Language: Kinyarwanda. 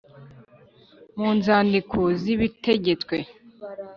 Mu nzandiko z' ibitegetswe